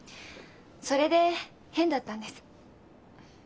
それで変だったんです。